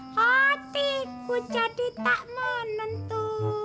hatiku jadi tak menentu